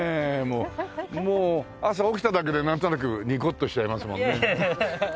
もう朝起きただけでなんとなくニコッとしちゃいますもんね。